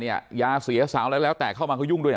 ยาเสียสาวอะไรแล้วแต่เข้ามาเขายุ่งด้วย